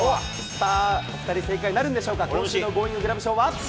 さあ、お２人、正解なるんでしょうか、今週のゴーインググラブ賞は。